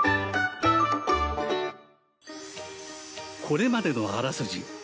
これまでのあらすじ